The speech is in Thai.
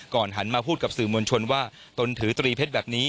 ก่อนหันมาพูดกับสื่อมณชนว่าตนถือ๓เพชรแบบนี้